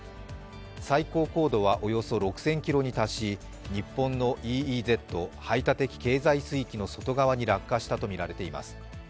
最高高度はおよそ６０００ｋｍに達し日本のＥＥＺ＝排他的経済水域の外側に落下したとみられています。